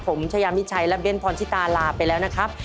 ผมชายามิชัยและเบ้นพรชิตาลาไปแล้วนะครับ